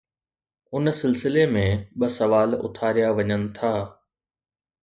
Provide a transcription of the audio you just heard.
ان سلسلي ۾ ٻه سوال اٿاريا وڃن ٿا.